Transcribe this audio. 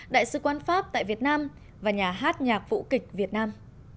đại sứ quán pháp tại việt nam và nhà hát nhạc vũ kịch việt nam